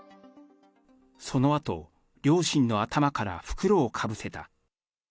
そのあと、両親の頭から袋をかぶせた。